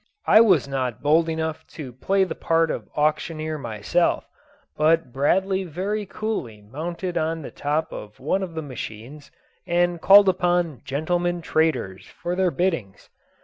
I was not bold enough to play the part of auctioneer myself; but Bradley very coolly mounted on the top of one of the machines, and called upon "gentlemen traders" for their biddings.